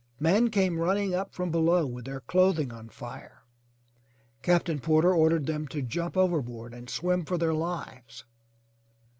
Men came running up from below with their clothing on fire. Captain Porter ordered them to jump overboard and swim for their lives.